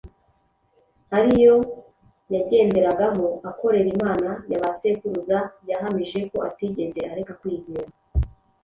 ari iyo yagenderagamo akorera Imana ya ba sekuruza, yahamije ko atigeze areka kwizera